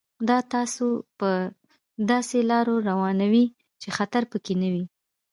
دا تاسو په داسې لار روانوي چې خطر پکې نه وي.